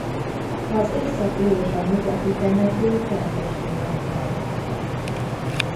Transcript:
Az északi és a nyugati temető kevésbé van feltárva.